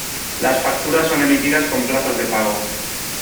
Las facturas son emitidas con plazos de pago.